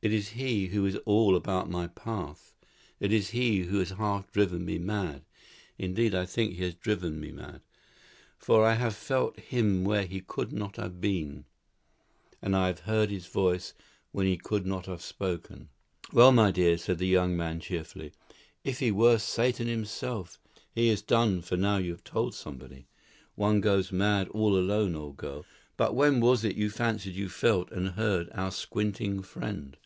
It is he who is all about my path. It is he who has half driven me mad. Indeed, I think he has driven me mad; for I have felt him where he could not have been, and I have heard his voice when he could not have spoken." "Well, my dear," said the young man, cheerfully, "if he were Satan himself, he is done for now you have told somebody. One goes mad all alone, old girl. But when was it you fancied you felt and heard our squinting friend?"